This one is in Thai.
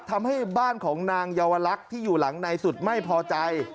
ทำให้บ้านของนางเยาวลักษณ์ที่อยู่หลังในสุดไม่พอใจ